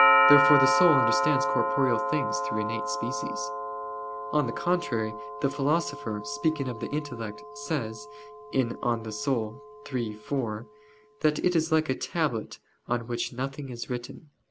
Therefore the soul understands corporeal things through innate species. On the contrary, The Philosopher, speaking of the intellect, says (De Anima iii, 4) that it is like "a tablet on which nothing is written."